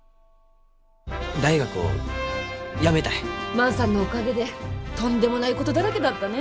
万さんのおかげでとんでもないことだらけだったね。